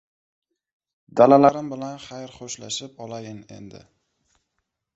Dalalarim bilan xayr-xo‘shlashib olayin, endi.